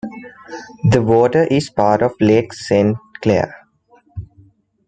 The water is part of Lake Saint Clair.